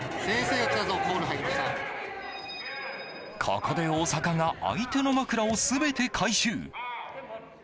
ここで大阪が相手の枕を全て回収。